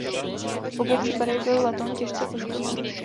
V obou případech byl letoun těžce poškozen.